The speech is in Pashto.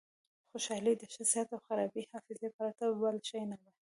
خوشحالي د ښه صحت او خرابې حافظې پرته بل شی نه ده.